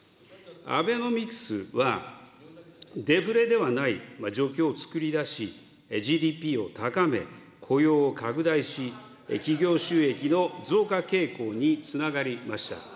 アベノミクスはデフレではない状況を作り出し、ＧＤＰを高め、雇用を拡大し、企業収益の増加傾向につながりました。